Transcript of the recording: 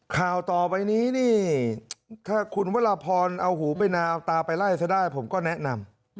ข่าวต่อไปนี้นี่ถ้าคุณวรพรเอาหูไปนาเอาตาไปไล่ซะได้ผมก็แนะนำ